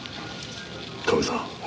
カメさん